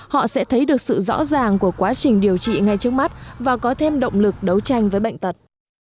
họ sẽ thấy được sự rõ ràng của quá trình điều trị ngay trước mắt và có thêm động lực đấu tranh với bệnh tật